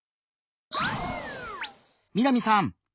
みなみさん！